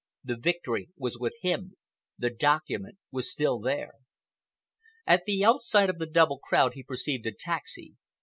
The victory was with him; the document was still there. At the outside of the double crowd he perceived a taxi.